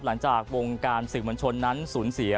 หลังจากวงการศึกบนชนนั้นศูนย์เสีย